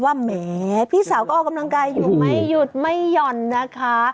แหมพี่สาวก็ออกกำลังกายอยู่ไม่หยุดไม่หย่อนนะคะ